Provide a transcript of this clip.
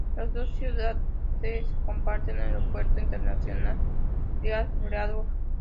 Las dos ciudades comparten el Aeropuerto Internacional Leeds Bradford.